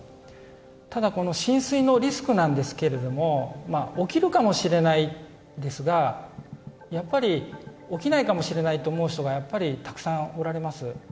ただ、この浸水のリスクなんですけれども起きるかもしれないですが起きないかもしれないと思う人がたくさんおられます。